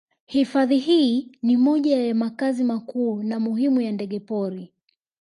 Hifadhi hii ni moja ya makazi makuu na muhimu ya ndege pori